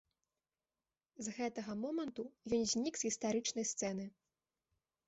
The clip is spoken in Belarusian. З гэтага моманту ён знік з гістарычнай сцэны.